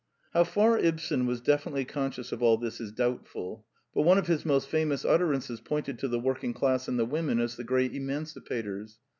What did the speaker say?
How far Ibsen was definitely conscious of all this is doubtful ; but one of his most famous utter ances pointed to the working class and the women as the great emancipators.